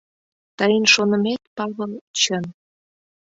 Тыйын шонымет, Павыл, чын...